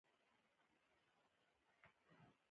د خلکو سپکاوی کول واک لرزوي.